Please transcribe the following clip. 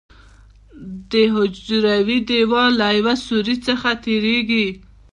د حجروي دیوال له یو سوري څخه تېریږي.